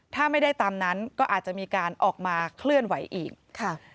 ถ้าไม่ได้ตามนั้นก็อาจจะมีการออกมาเคลื่อนไหวอีกค่ะ